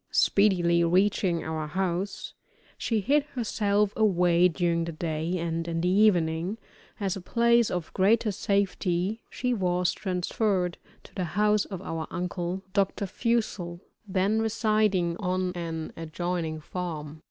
Speedily reaching our house, she hid herself away during the day, and in the evening, as a place of greater safety, she was transferred to the house of our uncle, Dr. Fussell, then residing on an adjoining farm.